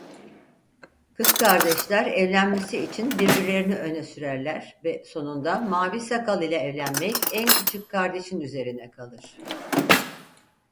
Kız kardeşler evlenmesi için birbirlerini öne sürerler ve sonunda Mavi Sakal ile evlenmek en küçük kardeşin üzerine kalır.